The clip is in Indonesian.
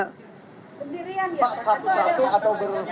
pak satu satu atau